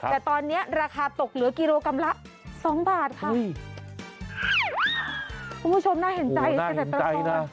แต่ตอนนี้ราคาตกเหลือกิโลกรัมละสองบาทค่ะคุณผู้ชมน่าเห็นใจโอ้โหน่าเห็นใจนะ